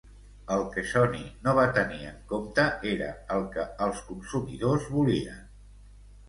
El que Sony no va tenir en compte era el que els consumidors volien.